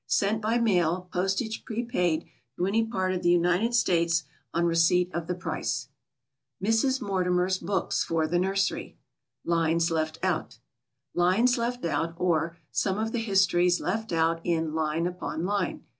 Sent by mail, postage prepaid, to any part of the United States, on receipt of the price. MRS. MORTIMER'S BOOKS FOR THE NURSERY. Lines Left Out. Lines Left Out; or, Some of the Histories Left Out in "Line upon Line."